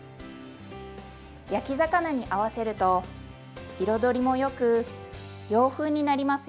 焼き魚に合わせると彩りもよく洋風になりますよ。